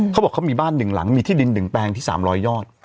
เขาบอกเขามีบ้าน๑หลังมีที่ดิน๑แปลงที่๓๐๐ยอด